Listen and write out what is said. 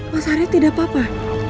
mas arief tidak apa apa